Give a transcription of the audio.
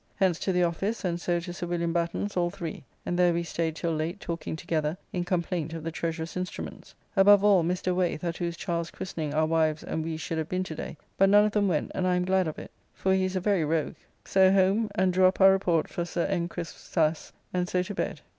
Hence to the office, and so to Sir Wm. Batten's all three, and there we staid till late talking together in complaint of the Treasurer's instruments. Above all Mr. Waith, at whose child's christening our wives and we should have been to day, but none of them went and I am glad of it, for he is a very rogue, So home, and drew up our report for Sir N. Crispe's sasse, and so to bed.